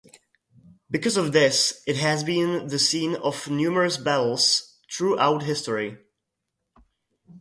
Because of this it has been the scene of numerous battles throughout history.